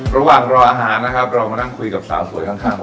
ระหว่างรออาหารนะครับเรามานั่งคุยกับสาวสวยข้างผม